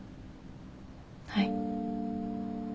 はい。